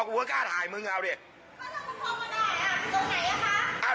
ด้วยความเคารพนะคุณผู้ชมในโลกโซเชียล